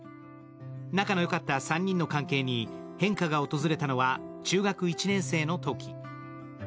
仲の良かった３人の関係に変化が訪れたのは中学１年生のとき。